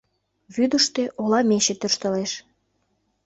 Вӱдыштӧ ола мече тӧрштылеш.